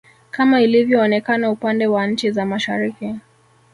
kama ilivyoonekana upande wa nchi za Mashariki